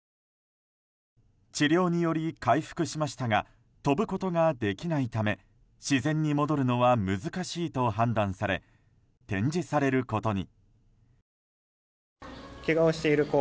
治療により回復しましたが飛ぶことができないため自然に戻るのは難しいと判断され展示されることに。